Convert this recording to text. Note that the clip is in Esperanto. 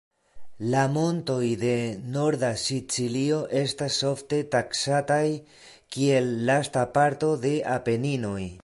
La montoj de norda Sicilio estas ofte taksataj kiel lasta parto de Apeninoj.